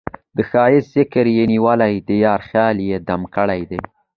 د ښــــــــایست ذکر یې نیولی د یار خیال یې دم ګړی دی